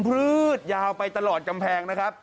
พลืดยาวไปตลอดกำแพงนะครับ